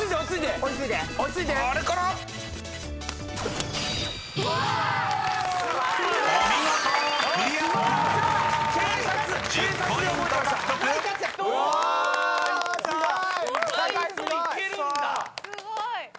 すごい。